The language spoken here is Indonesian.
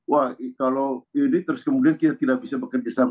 wah kalau ini terus kemudian kita tidak bisa bekerja sama